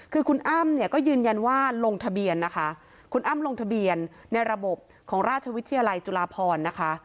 คือคุณอ้ำเนี่ยก็ยืนยันว่าลงทะเบียนนะคะคุณอ้ำลงทะเบียนในระบบของราชวิทยาลัยจุฬาพรนะคะ